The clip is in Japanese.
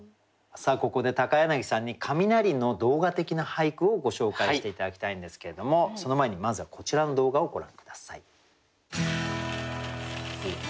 ここで柳さんに雷の動画的な俳句をご紹介して頂きたいんですけれどもその前にまずはこちらの動画をご覧下さい。